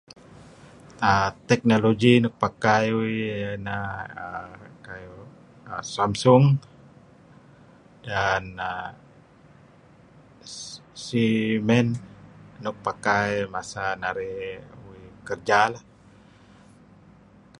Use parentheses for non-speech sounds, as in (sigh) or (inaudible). Er Technology nuk pakai uih neh kayu' Samsung dan Siemen nuk pakai masa narih (unintelligible) uih kerja lah.